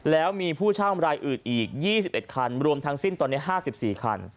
แล้วมีผู้เช่ารายอื่นอีก๒๑คันรวมทั้งสิ้นตอนนี้๕๔คัน